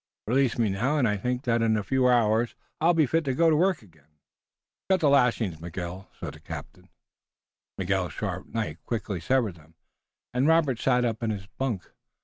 Release me now, and I think that in a few hours I will be fit to go to work again." "Cut the lashings, Miguel," said the captain. Miguel's sharp knife quickly severed them, and Robert sat up in the bunk.